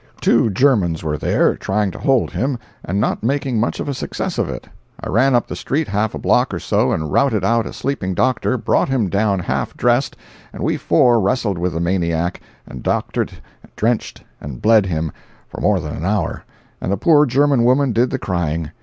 Two Germans were there, trying to hold him, and not making much of a success of it. I ran up the street half a block or so and routed out a sleeping doctor, brought him down half dressed, and we four wrestled with the maniac, and doctored, drenched and bled him, for more than an hour, and the poor German woman did the crying.